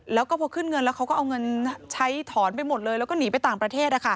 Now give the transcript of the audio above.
แล้วก็พอขึ้นเงินแล้วเขาก็เอาเงินใช้ถอนไปหมดเลยแล้วก็หนีไปต่างประเทศ